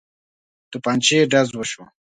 توپنچې ډز وشو.